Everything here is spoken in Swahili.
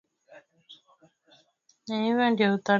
video zinampeleka hadhira kuona uhalisiwa wa kitu kinachotangazwa